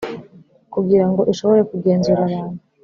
Kugira ngo ishobore kugenzura abantu